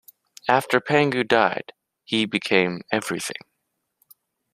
After Pangu died, he became everything.